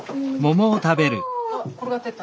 あっ転がってった。